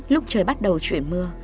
lúc trời bắt đầu chuyển mưa